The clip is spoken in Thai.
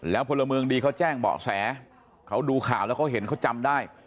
พลเมืองดีเขาแจ้งเบาะแสเขาดูข่าวแล้วเขาเห็นเขาจำได้